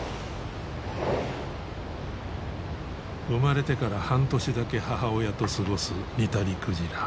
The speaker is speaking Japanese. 生まれてから半年だけ母親と過ごすニタリクジラ。